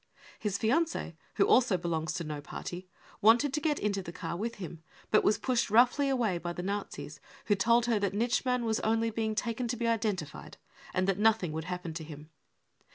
His fiancee, who also belongs to no party, wanted to get into the car with him, but was pushed roughly away by the Nazis, who told her that Nitschmann was only being taken to be identified, and that nothing would happen to him.